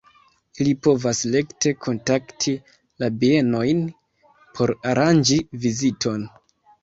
Ili povas rekte kontakti la bienojn por aranĝi viziton.